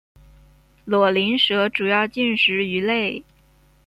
瘰鳞蛇主要进食鱼类。